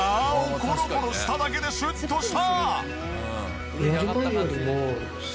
コロコロしただけでシュッとした！